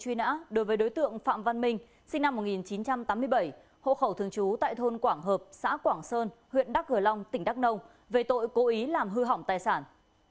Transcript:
truy nã đối với đối tượng phạm văn minh sinh năm một nghìn chín trăm tám mươi bảy hộ khẩu thường trú tại thôn quảng hợp xã quảng sơn huyện đắk cờ long tỉnh đắk nông về tội cố ý làm hư hỏng tài sản